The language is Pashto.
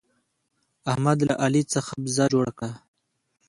احمد له علي څخه بزه جوړه کړه.